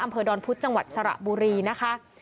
อำเภอดอนพุธจังหวัดสระบุรีนะคะ